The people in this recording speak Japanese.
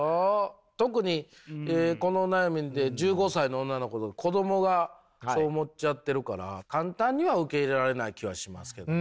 特にこの悩みで１５歳の女の子子どもがそう思っちゃってるから簡単には受け入れられない気はしますけども。